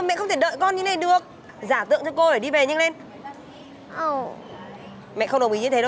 mẹ không mua là con được phách như thế à